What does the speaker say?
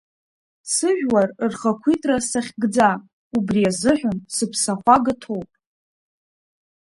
Сыжәлар рхақәиҭра сахьгӡа, убри азыҳәан сыԥсахәага ҭоуп…